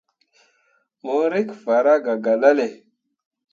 Mo rǝkki farah gah gelale.